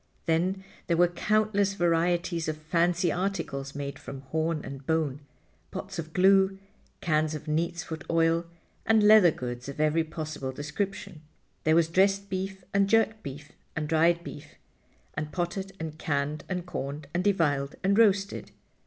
Then there were countless varieties of fancy articles made from horn and bone, pots of glue, cans of neatsfoot oil, and leather goods of every possible description. There was dressed beef, and jerked beef, and dried beef, and potted and canned and corned and deviled and roasted.